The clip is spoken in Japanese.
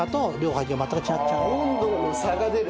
温度の差が出る？